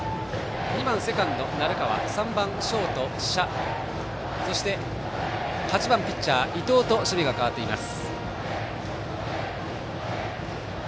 ２番セカンド鳴川３番ショート謝そして８番ピッチャー、伊東と守備が変わっています。